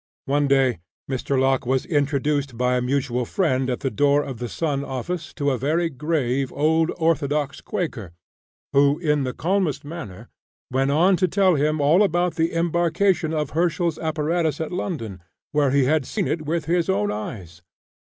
One day, Mr. Locke was introduced by a mutual friend at the door of the "Sun" office to a very grave old orthodox Quaker, who, in the calmest manner, went on to tell him all about the embarkation of Herschel's apparatus at London, where he had seen it with his own eyes.